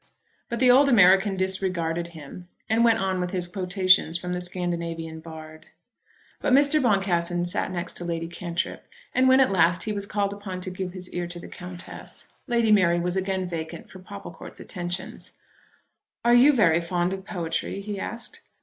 But the old American disregarded him, and went on with his quotations from the Scandinavian bard. But Mr. Boncassen sat next to Lady Cantrip, and when at last he was called upon to give his ear to the Countess, Lady Mary was again vacant for Popplecourt's attentions. "Are you very fond of poetry?" he asked.